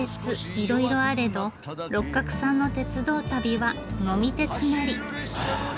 いろいろあれど六角さんの鉄道旅は呑み鉄なり。